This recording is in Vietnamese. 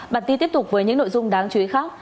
bản tin tiếp tục với những nội dung đáng chú ý khác